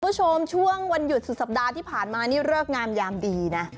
ช่วงวันหยุดสุดสัปดาห์ที่ผ่านมานี่เลิกงามยามดีนะ